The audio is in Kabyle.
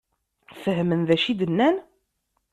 Fehmen d acu i d-nnan?